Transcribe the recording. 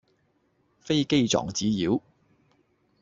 飛機撞紙鳶